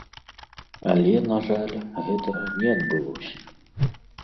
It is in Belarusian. Але, на жаль, гэтага не адбылося.